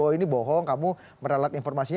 oh ini bohong kamu meralat informasinya